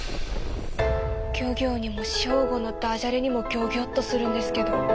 漁業にもショーゴのダジャレにもギョギョッとするんですけど。